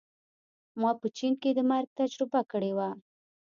ما په چین کې د مرګ تجربه کړې وه